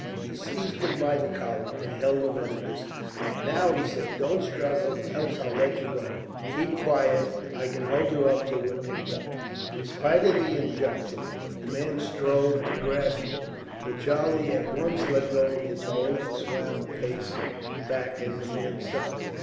He seized him by the collar, and held him at a distance. "Now," he said, "don't struggle, else I'll let you go. Keep quiet, and I can hold you up till we're picked up." In spite of the injunction, the man strove to grasp him; but Charlie at once let go his hold, and swam a pace back as the man sunk.